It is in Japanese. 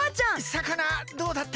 さかなどうだった？